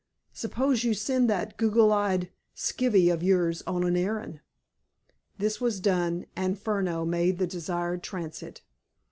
"Suppose you send that goggle eyed skivvy of yours on an errand." This was done, and Furneaux made the desired transit.